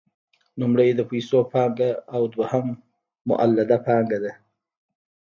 لومړی د پیسو پانګه او دویم مولده پانګه ده